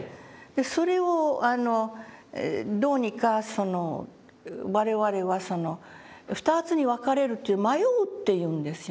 それをどうにか我々は２つに分かれるという「迷う」って言うんですよ。